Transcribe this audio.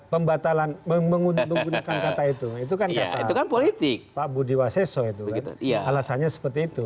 pembatalan menggunakan kata itu itu kan kata pak budi waseso alasannya seperti itu